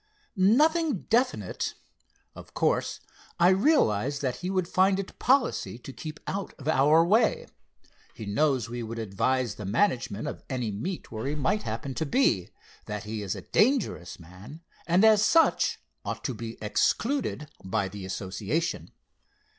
"Nothing definite. Of course I realize that he would find it policy to keep out of our way. He knows we would advise the management of any meet where he might happen to be, that he is a dangerous man, and as such ought to be excluded by the Association."